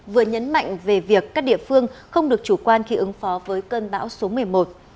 vừa nhấn mạnh về việc các địa phương không được chủ quan khi ứng phó với cơn bão số một mươi một